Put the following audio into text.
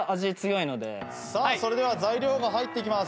さあそれでは材料が入っていきます。